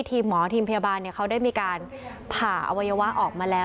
ทีมหมอทีมพยาบาลเขาได้มีการผ่าอวัยวะออกมาแล้ว